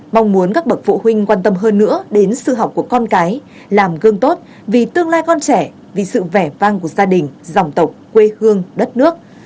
mong muốn các bậc phụ huynh quan tâm hơn nữa đến sự học của con cái làm gương tốt vì tương lai con trẻ vì sự vẻ vang của gia đình dòng tộc quê hương đất nước